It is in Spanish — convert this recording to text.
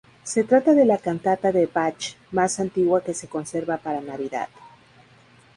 Se trata de la cantata de Bach más antigua que se conserva para Navidad.